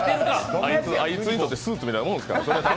あいつにとってスーツみたいなもんですから。